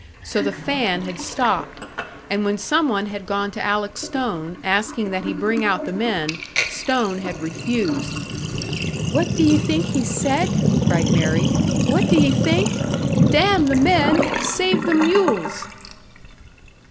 So the fan had stopped; and when some one had gone to Alec Stone, asking that he bring out the men, Stone had refused. "What do ye think he said?" cried Mary. "What do ye think? 'Damn the men! Save the mules!'"